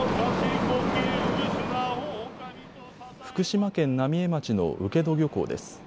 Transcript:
福島県浪江町の請戸漁港です。